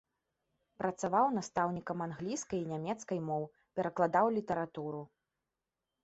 Працаваў настаўнікам англійскай і нямецкай моў, перакладаў літаратуру.